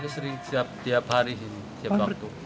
jadi setiap hari setiap waktu